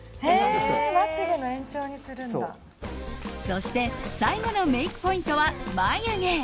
そして最後のメイクポイントは眉毛。